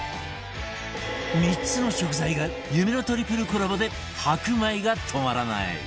３つの食材が夢のトリプルコラボで白米が止まらない